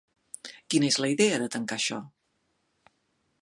Quina és la idea de tancar això?